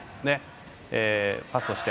パスをして。